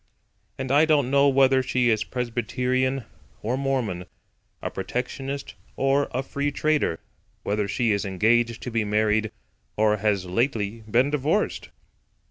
And I don't know whether she is Presbyterian or Mormon; a Protectionist or a Free Trader; whether she is engaged to be married or has lately been divorced!